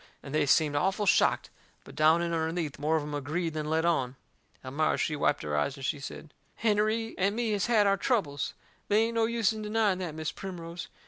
And they seemed awful shocked. But down in underneath more of em agreed than let on. Elmira she wiped her eyes and she said: "Hennerey and me has had our troubles. They ain't any use in denying that, Mis' Primrose.